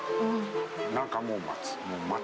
中も松。